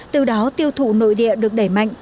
từ đó tiêu thụ nội địa được đẩy mạnh